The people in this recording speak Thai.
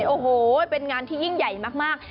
โอ้โหเป็นงานที่ยิ่งใหญ่มาก